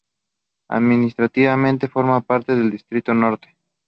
Administrativamente, forma parte del Distrito Norte.